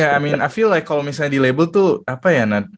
ya maksud gue kalau misalnya di label tuh apa ya nat